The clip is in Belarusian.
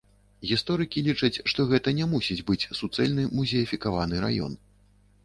Гісторыкі лічаць, што гэта не мусіць быць суцэльны музеяфікаваны раён.